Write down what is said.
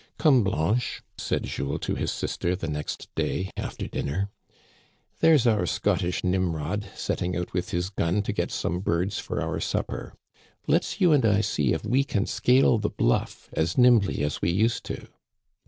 Come, Blanche," said Jules to his sister, the next day, after dinner, " there's our Scottish Nimrod setting put with his gun to get some birds for our supper. Let's you and I see if we can scale the bluff as nimbly as we used to."